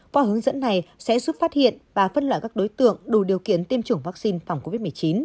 qua hướng dẫn này sẽ giúp phát hiện và phân loại các đối tượng đủ điều kiện tiêm chủng vaccine phòng covid một mươi chín